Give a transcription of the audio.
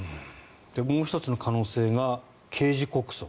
もう１つの可能性が刑事告訴。